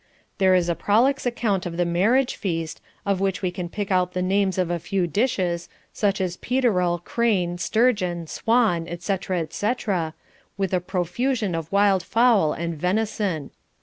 There is a prolix account of the marriage feast, of which we can pick out the names of a few dishes, such as peterel, crane, sturgeon, swan, etc. etc., with a profusion of wild fowl and venison.